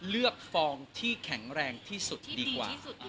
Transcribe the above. ฟองที่แข็งแรงที่สุดดีกว่า